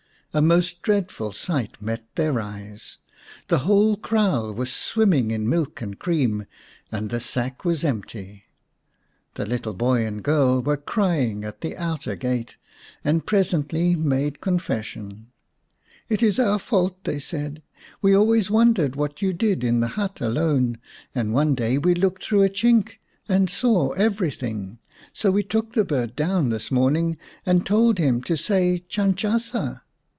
A most dreadful sight met their eyes. . The whole kraal was swimming in milk and cream, and the sack was empty. The little boy and girl were crying at the outer gate, and presently made confession. "It is our fault," they said. "We always wondered what you did in the hut alone, and one day we looked through a chink and saw 120 "She ... threw them down a rocky precipice. To face page 121. x The Fairy Bird everything. So we took the bird down this morning and told him to say ' Chanchasa.'